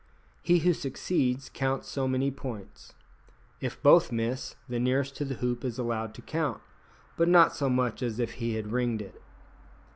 He who succeeds counts so many points; if both miss, the nearest to the hoop is allowed to count, but not so much as if he had "ringed" it.